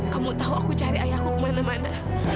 kamu tahu aku cari ayahku kemana mana